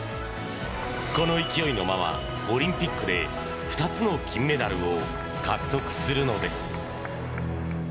この勢いのままオリンピックで２つの金メダルを獲得するのです。